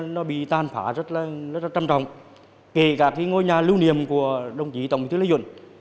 nó bị tàn phá rất là trầm trọng kể cả ngôi nhà lưu niềm của đồng chí tổng bí thư lê duẩn